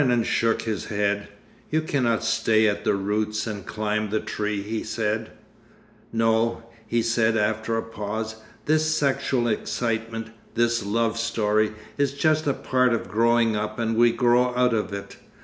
Karenin shook his head. 'You cannot stay at the roots and climb the tree,' he said.... 'No,' he said after a pause, 'this sexual excitement, this love story, is just a part of growing up and we grow out of it.